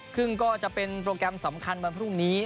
ซึ่งก็จะเป็นโปรแกรมสำคัญวันพรุ่งนี้